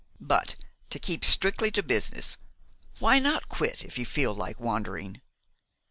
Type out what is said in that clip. "But to keep strictly to business, why not quit if you feel like wandering?"